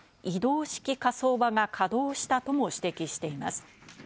移動式火葬場が稼働したとも指摘しています。